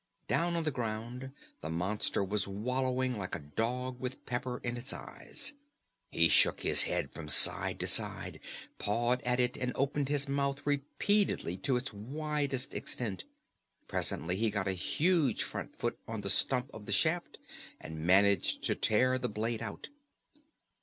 Down on the ground the monster was wallowing like a dog with pepper in its eyes. He shook his head from side to side, pawed at it, and opened his mouth repeatedly to its widest extent. Presently he got a huge front foot on the stump of the shaft and managed to tear the blade out.